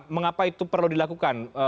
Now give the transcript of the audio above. mengapa itu perlu dilakukan